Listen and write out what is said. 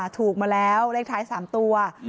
ถูกมาแล้วเลขท้าย๓ตัว